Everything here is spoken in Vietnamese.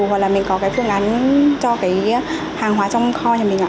hoặc là mình có phương án cho hàng hóa trong kho nhà mình